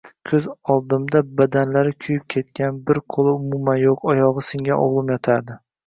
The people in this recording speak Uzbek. Koʻz oldimda badanlari kuyib ketgan, bir qoʻli umuman yoʻq, oyogʻi singan oʻgʻlim yotardi.